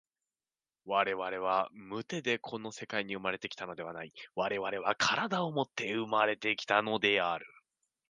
我々は無手でこの世界に生まれて来たのではない、我々は身体をもって生まれて来たのである。